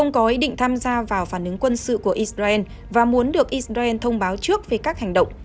ông có ý định tham gia vào phản ứng quân sự của israel và muốn được israel thông báo trước về các hành động